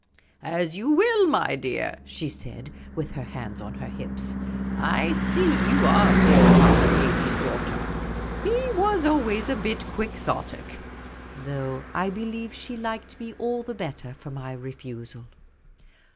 " As you will, my dear," she said, with her hands on her hips ; "I see you are poor Tom Cayley's daughter. He was always a bit Quixotic." Though I be lieve she liked me all the better for my refusal.